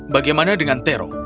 bagaimana dengan terong